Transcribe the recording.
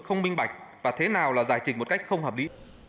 không minh bạch và thế nào là giải trình một cách không hợp lý